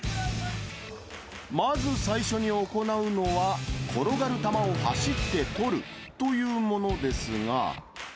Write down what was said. まず最初に行うのは、転がる球を走って捕るというものですが。